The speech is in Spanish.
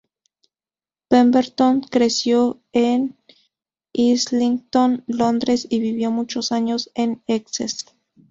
Pemberton creció en Islington, Londres, y vivió muchos años en Essex.